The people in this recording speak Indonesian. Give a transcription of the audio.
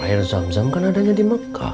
air zam zam kan adanya di mekah